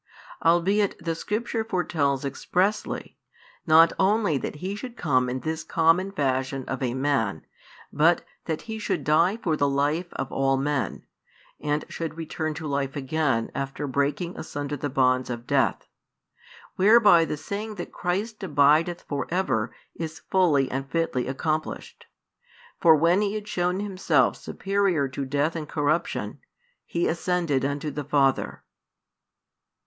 Albeit the Scripture foretells expressly, not only that He should come in this common fashion of a Man, but that He should die for the life of all men, and should return to life again after breaking asunder the bonds of death: whereby the saying that Christ abideth for ever is fully and fitly accomplished. For when He had shown Himself superior to death and corruption, He ascended unto the Father.